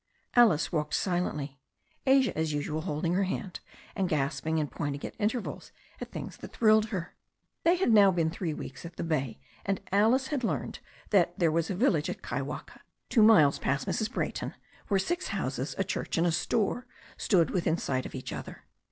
Alice walked silently, Asia as usual holding her hand, and gasping and pointing at intervals at things that thrilled her. They had now been three weeks at the bay, and Alice had learned that there was a village at Kaiwaka, two miles past Mrs. Brayton, where six houses, a church and a store stood within sight of each other.